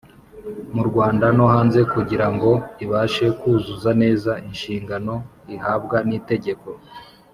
mu Rwanda no hanze kugira ngo ibashe kuzuza neza inshingano ihabwa n itegeko